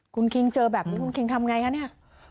คุณคิงเจอแบบนี้คุณคิงทำไงคะเนี่ย